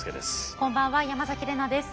こんばんは山崎怜奈です。